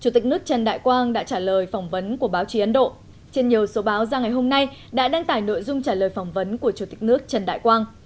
trên nhiều số báo ra ngày hôm nay đã đăng tải nội dung trả lời phỏng vấn của chủ tịch nước trần đại quang